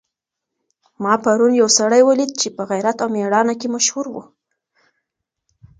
ما پرون یو سړی ولیدی چي په غیرت او مېړانه کي مشهور و.